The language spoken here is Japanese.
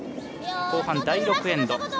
後半、第６エンド。